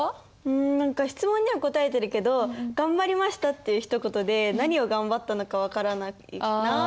ん何か質問には答えてるけど「がんばりました。」っていうひと言で何をがんばったのか分からないなって思いました。